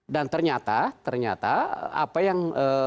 dan ternyata ternyata apa yang